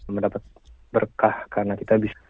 mendapat berkah karena kita bisa